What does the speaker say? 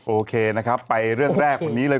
โอเคนะครับไปเรื่องแรกวันนี้เลย